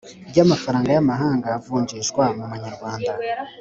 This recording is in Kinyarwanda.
ry amafaranga y amahanga avunjishwa mumyanyarwanda